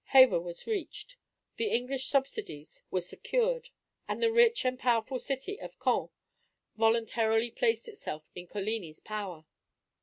Havre was reached. The English subsidies were secured, and the rich and powerful city of Caen voluntarily placed itself in Coligni's power.